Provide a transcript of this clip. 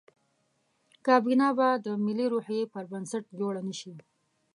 کابینه به د ملي روحیې پر بنسټ جوړه نه شي.